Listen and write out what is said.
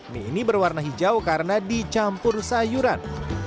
mie ini berwarna hijau karena dicampur sayuran